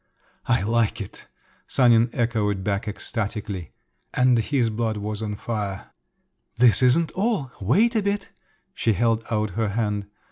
"I like it!" Sanin echoed back ecstatically. And his blood was on fire. "This isn't all, wait a bit." She held out her hand.